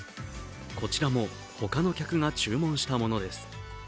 こちらも他の客が注文したものです。